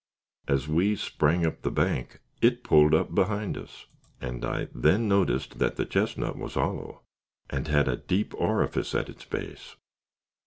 As we sprang up the bank, it pulled up behind us, and I then noticed that the chestnut was hollow, and had a deep orifice at its base.